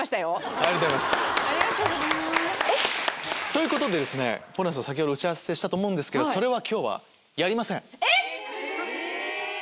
ということでホランさん先ほど打ち合わせたと思うんですけどそれは今日はやりません。